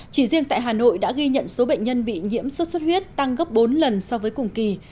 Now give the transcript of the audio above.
chỉ riêng tại hà nội đã ghi nhận số bệnh nhân bị nhiễm sốt xuất huyết tăng gấp bốn lần so với cùng kỳ